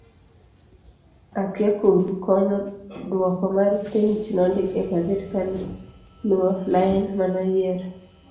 akia koru kono duoko mar peny nondik e gaset kaluo lain manoyier